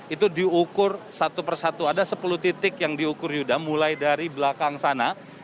itu diukur satu persatu ada sepuluh titik yang diukur yuda mulai dari belakang sana